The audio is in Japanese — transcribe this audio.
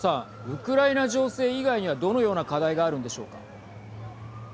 ウクライナ情勢以外にはどのような課題があるんでしょうか。